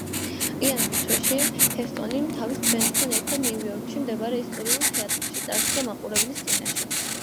იანვრის თვეში ჰესტონი თავის ბენდთან ერთად ნიუ-იორკში მდებარე ისტორიულ თეატრში წარსდგა მაყურებლის წინაშე.